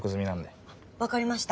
分かりました。